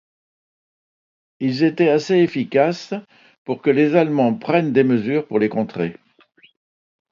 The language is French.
Ils étaient assez efficaces pour que les Allemands prennent des mesures pour les contrer.